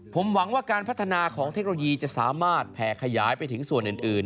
ผมหวังว่าการพัฒนาของเทคโนโลยีจะสามารถแผ่ขยายไปถึงส่วนอื่น